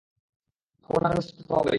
Phone আর ম্যাসেজে কথা তো হবেই।